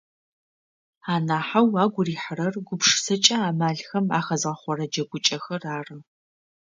Анахьэу агу рихьырэр гупшысэкӏэ амалхэм ахэзгъэхъорэ джэгукӏэхэр ары.